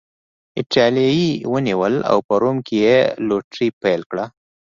اېټالیا یې ونیوله او په روم کې یې لوټري پیل کړه